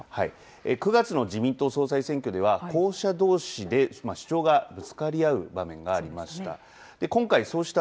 ９月の自民党総裁選挙では、候補者どうしで主張がぶつかり合う場面がありました。